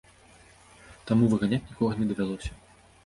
Таму выганяць нікога не давялося.